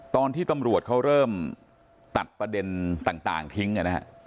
ตอนที่ตำรวจเขาเริ่มตัดประเด็นต่างทิ้งนะฮะ